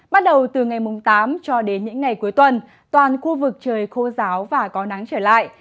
bắt đầu từ ngày tám cho đến những ngày cuối tuần toàn khu vực trời khô giáo và có nắng trở lại